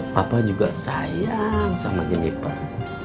papa juga sayang sama jeliper